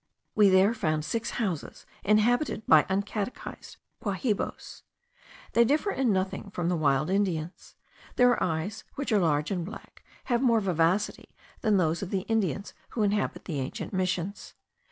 We there found six houses inhabited by uncatechised Guahibos. They differ in nothing from the wild Indians. Their eyes, which are large and black, have more vivacity than those of the Indians who inhabit the ancient missions.